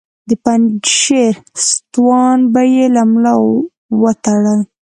د پنجشیر ستوان به یې له ملا وتړل.